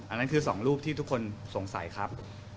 อันนั้นคือ๒รูปที่ทุกคนสงสัยครับ